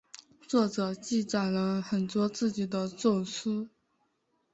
作者记载了很多自己的奏疏。